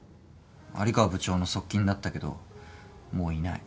有川部長の側近だったけどもういない。